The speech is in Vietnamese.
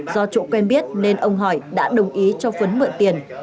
do chỗ quen biết nên ông hỏi đã đồng ý cho phấn mượn tiền